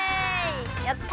やった！